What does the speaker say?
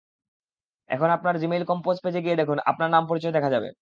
এখন আপনার Gmail compose পেজে গিয়ে দেখুন আপনার নাম-পরিচয় লেখা দেখাবে।